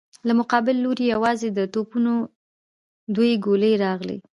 له مقابل لورې يواځې د توپونو دوې ګولۍ راغلې.